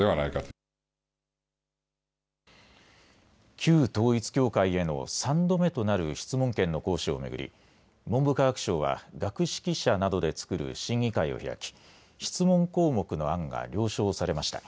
旧統一教会への３度目となる質問権の行使を巡り文部科学省は学識者などで作る審議会を開き質問項目の案が了承されました。